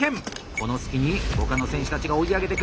この隙に他の選手たちが追い上げてくる！